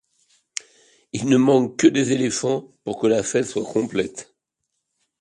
Il ne manque que des éléphants pour que la fête soit complète!